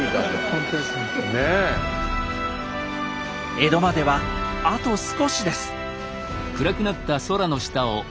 江戸まではあと少しです。